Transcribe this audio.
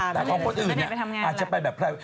แต่ของคนอื่นเนี่ยอาจจะไปแบบใคร